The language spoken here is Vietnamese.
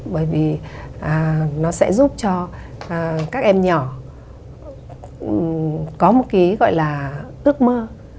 bởi vì nó sẽ giúp cho các em nhỏ có một cái gọi là ước mơ